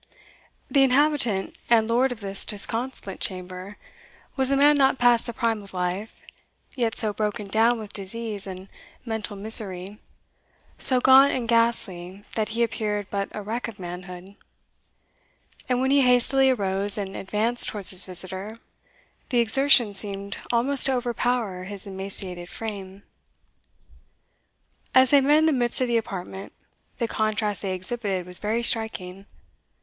The inhabitant and lord of this disconsolate chamber was a man not past the prime of life, yet so broken down with disease and mental misery, so gaunt and ghastly, that he appeared but a wreck of manhood; and when he hastily arose and advanced towards his visitor, the exertion seemed almost to overpower his emaciated frame. As they met in the midst of the apartment, the contrast they exhibited was very striking.